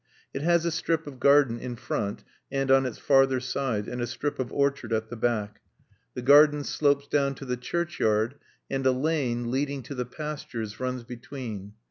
It has a strip of garden in front and on its farther side and a strip of orchard at the back. The garden slopes down to the churchyard, and a lane, leading to the pastures, runs between.